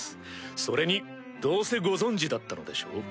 それにどうせご存じだったのでしょう？